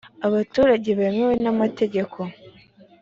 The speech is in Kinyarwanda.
abaturage bemewe n ‘amategeko